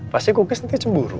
pasti kukis nanti cemburu